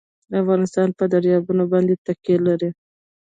افغانستان په دریابونه باندې تکیه لري.